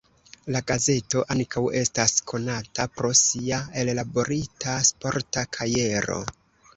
La gazeto ankaŭ estas konata pro sia ellaborita sporta kajero.